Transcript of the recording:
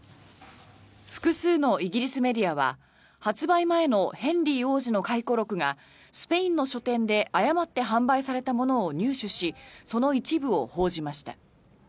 複数のイギリスメディアは発売前のヘンリー王子の回顧録がスペインの書店で誤って販売されたものを入手しその一部を報じました。